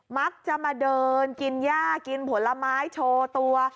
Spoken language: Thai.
มักจะมาเดินกินย่ากินผลไม้โชว์ตัว